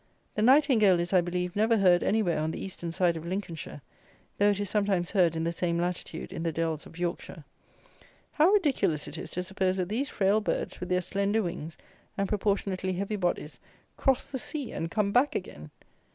The nightingale is, I believe, never heard anywhere on the eastern side of Lincolnshire; though it is sometimes heard in the same latitude in the dells of Yorkshire. How ridiculous it is to suppose that these frail birds, with their slender wings and proportionately heavy bodies, cross the sea, and come back again!